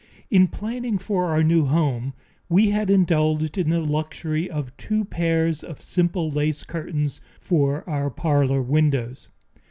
In planning for our new home we had indulged in the luxury of two pairs of simple lace curtains for our parlor windows.